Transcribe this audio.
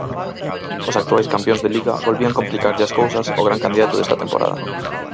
Os actuais campións de Liga volvían complicarlle as cousas o gran candidato desta temporada.